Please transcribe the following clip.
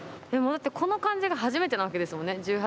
でもだってこの感じが初めてなわけですもんね